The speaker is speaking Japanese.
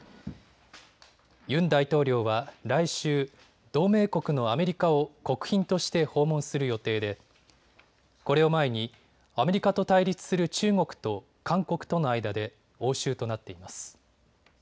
ユン大統領は来週、同盟国のアメリカを国賓として訪問する予定でこれを前にアメリカと対立する中国と韓国との間で応酬となっています。